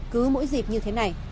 cứ mỗi dịp như thế này